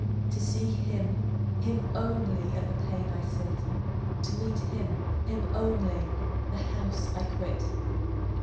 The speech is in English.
To see him, him only, At the pane I sit; To meet him, him only, The house I quit.